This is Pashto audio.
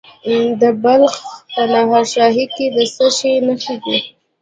د بلخ په نهر شاهي کې د څه شي نښې دي؟